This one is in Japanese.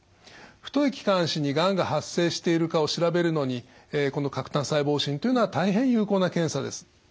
太い気管支にがんが発生しているかを調べるのにこの喀痰細胞診というのは大変有効な検査です。